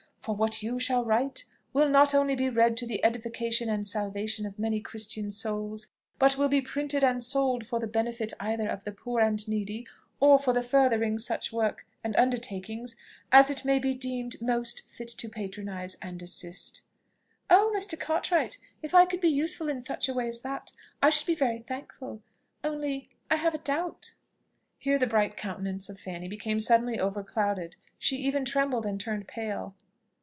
For what you shall write, will not only be read to the edification and salvation of many Christian souls, but will be printed and sold for the benefit either of the poor and needy, or for the furthering such works and undertakings as it may be deemed most fit to patronise and assist." "Oh! Mr. Cartwright! If I could be useful in such a way as that, I should be very thankful; only I have a doubt." Here the bright countenance of Fanny became suddenly overclouded; she even trembled, and turned pale.